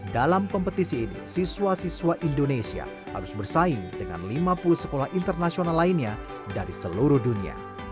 dalam kompetisi ini siswa siswa indonesia harus bersaing dengan lima puluh sekolah internasional lainnya dari seluruh dunia